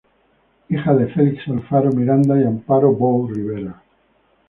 Hija de Felix Alfaro Miranda y Amparo Bou Rivera.